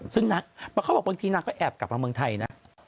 ซึ่งนางเขาบอกบางทีนางก็แอบกลับมาเมืองไทยนะ